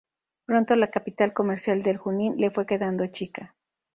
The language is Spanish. Pronto la capital comercial del Junín le fue quedando chica.